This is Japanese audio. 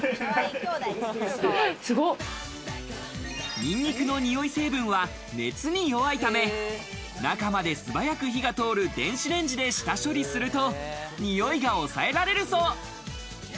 ニンニクのにおい成分は熱に弱いため、中まで素早く火が通る電子レンジで下処理すると匂いが抑えられるそう。